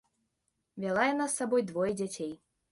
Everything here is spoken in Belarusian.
Вяла яна з сабой двое дзяцей.